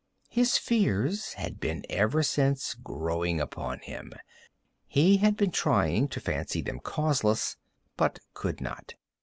His fears had been ever since growing upon him. He had been trying to fancy them causeless, but could not.